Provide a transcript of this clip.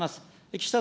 岸田